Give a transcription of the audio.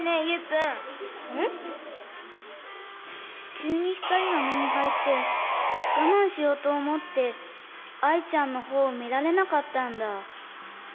きゅうにひかりがめにはいってがまんしようとおもってアイちゃんのほうをみられなかったんだ。